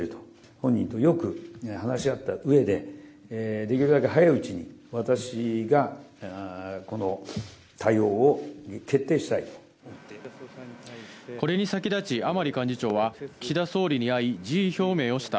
本人とよく話し合ったうえで、できるだけ早いうちに、これに先立ち、甘利幹事長は、岸田総理に会い、辞意表明をした。